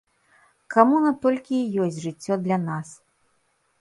Камуна толькі і ёсць жыццё для нас.